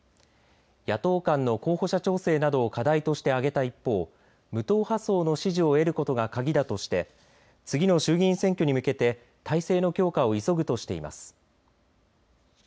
野党間の候補者調整などを課題として挙げた一方無党派層の支持を得ることが鍵だとして次の衆議院選挙に向けて態勢の強化を急ぐとしています。